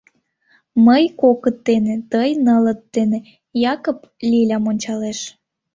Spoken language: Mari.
— Мый — кокыт дене, тый — нылыт дене, — Якып Лилям ончалеш.